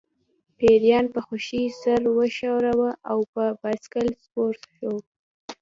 پیریان په خوښۍ سر وښوراوه او په بایسکل سپور شو